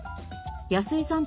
安井さん